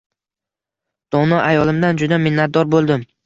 Dono ayolimdan juda minnatdor boʻldim